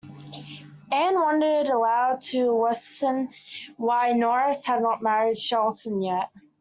Anne wondered aloud to Weston why Norris had not married Shelton yet.